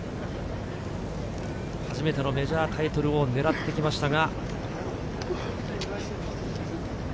初めてのメジャータイトルを狙ってきましたが。